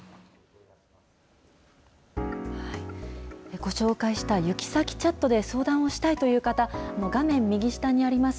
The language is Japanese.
ご紹介したユキサキチャットで相談をしたいという方、画面右下にあります